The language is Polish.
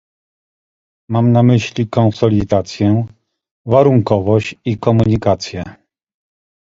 Mam na myśli konsolidację, warunkowość i komunikację